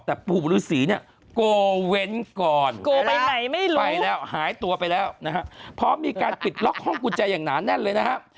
แต่ปู่ฤษีเนี่ยโกเว้นก่อนไปแล้วหายตัวไปแล้วนะฮะพอมีการปิดล็อกห้องกุญแจอย่างหนาแน่นเลยนะฮะ